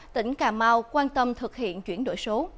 tỉnh cà mau quan tâm thực hiện chuyển đổi số